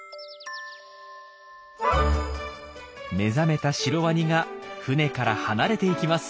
目覚めたシロワニが船から離れていきます。